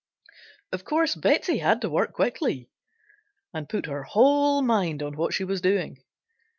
Of course Betsey had to work quickly and put her whole mind on what she was doing.